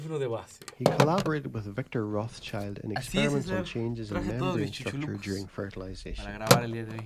He collaborated with Victor Rothschild in experiments on changes in membrane structure during fertilisation.